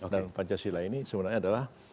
dan pancasila ini sebenarnya adalah